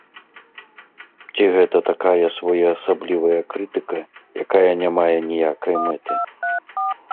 Ці гэта такая своеасаблівая крытыка, якая не мае ніякай мэты?